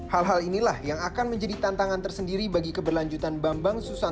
hal hal inilah yang akan menjadi tantangan tersendiri untuk pemerintahan negara